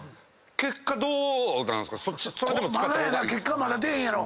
結果はまだ出えへんやろ。